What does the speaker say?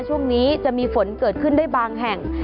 ช่วงนี้จะมีฝนเกิดขึ้นได้บางแห่ง